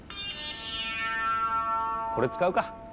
これ使うか。